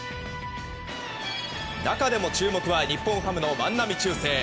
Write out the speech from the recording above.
中でも注目は日本ハムの万波中正。